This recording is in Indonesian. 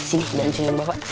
sini jangan cium bapak